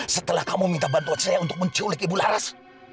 setelah kamu minta bantuan saya untuk menculik ibu laras